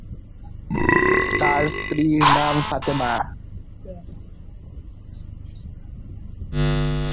তার স্ত্রীর নাম ফাতেমা খানম।